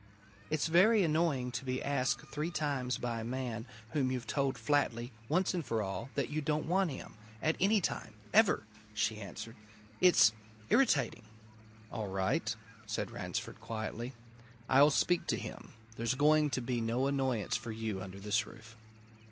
"It's very annoying to be asked three times by a man whom you've told flatly, once for all, that you don't want him, at any time, ever!" she answered. "It's irritating!" "All right," said Ransford quietly. "I'll speak to him. There's going to be no annoyance for you under this roof."